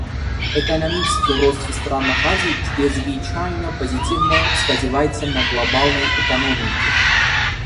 Экономический рост в странах Азии чрезвычайно позитивно сказывается на глобальной экономике.